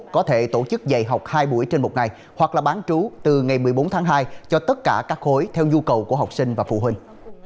có thể tổ chức dạy học hai buổi trên một ngày hoặc là bán trú từ ngày một mươi bốn tháng hai cho tất cả các khối theo nhu cầu của học sinh và phụ huynh